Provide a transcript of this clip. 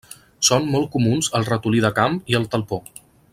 Són molt comuns el ratolí de camp i el talpó.